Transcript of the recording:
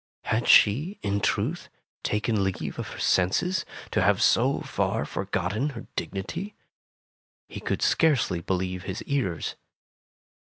Had she, in truth, taken leave of her senses, to have so far forgotten her dignity ? He could scarcely believe his ears.